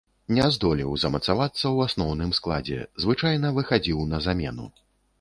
Не здолеў замацавацца ў асноўным складзе, звычайна выхадзіў на замену.